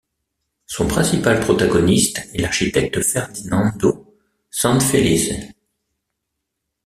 Son principal protagoniste est l'architecte Ferdinando Sanfelice.